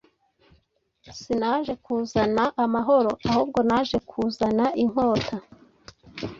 sinaje kuzana amahoro, ahubwo naje kuzana inkota